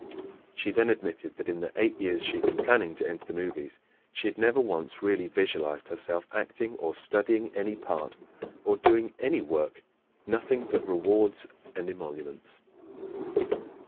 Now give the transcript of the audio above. She then admitted that in the eight years she had been planning to enter the movies she had never once really visualized herself acting, or studying any part, or doing any work nothing but rewards and emoluments.